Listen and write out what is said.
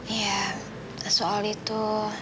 iya soal itu